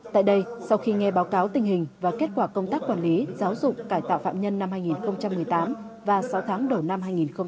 tại đây sau khi nghe báo cáo tình hình và kết quả công tác quản lý giáo dục cải tạo phạm nhân năm hai nghìn một mươi tám và sáu tháng đầu năm hai nghìn một mươi chín